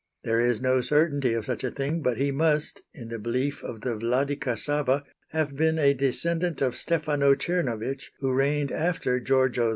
There is no certainty of such a thing, but he must, in the belief of the Vladika Sava have been a descendant of Stefano Czernovich who reigned after Giorgio IV."